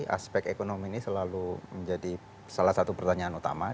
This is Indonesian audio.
aspek ekonomi ini selalu menjadi salah satu pertanyaan utama